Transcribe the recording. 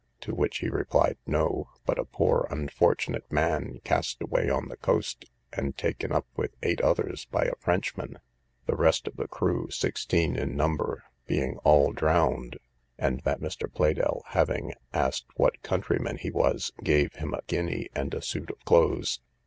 to which he replied No; but a poor unfortunate man, cast away on the coast, and taken up, with eight others, by a Frenchman, the rest of the crew, sixteen in number, being all drowned; and that Mr. Pleydell having asked what countryman he was, gave him a guinea and a suit of clothes.